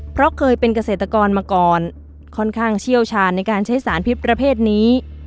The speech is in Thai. เพราะเคยเป็นเกษตรกรมาก่อนค่อนข้างเชี่ยวชาญในการใช้สารพิษประเภทนี้